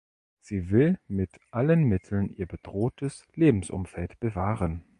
Sie will mit allen Mitteln ihr bedrohtes Lebensumfeld bewahren.